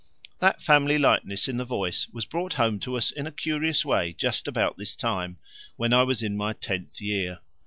That family likeness in the voice was brought home to us in a curious way just about this time, when I was in my tenth year.